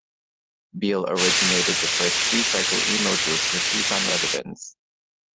Beal originated the first Freecycle email group for Tucson residents.